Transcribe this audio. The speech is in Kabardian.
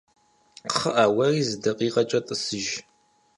КхъыӀэ, уэри зы дакъикъэкӀэ тӀысыж.